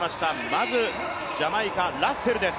まずジャマイカ、ラッセルです。